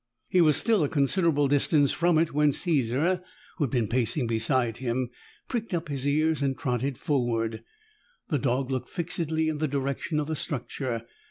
He was still a considerable distance from it when Caesar, who had been pacing beside him, pricked up his ears and trotted forward. The dog looked fixedly in the direction of the structure.